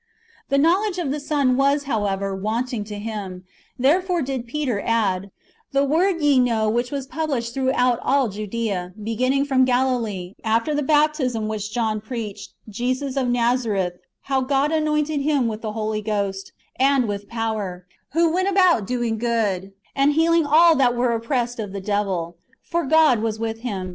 The knowledge of the Son was, however, w anting to him ; therefore did [Peter] add, " The word, ye know, which was published throughout all Judea, beginning from Galilee, after the baptism which John preached, Jesus of Nazareth, how God anointed Him with the Holy Ghost, and with power ; who went about doing good, and healing all that were oppressed of the devil ; for God was with Him.